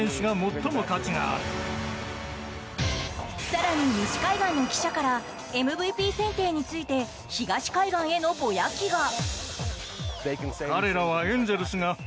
更に西海岸の記者からＭＶＰ選定について東海岸へのボヤキが。